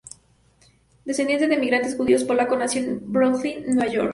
Descendiente de emigrantes judíos polacos, nació en Brooklyn, Nueva York.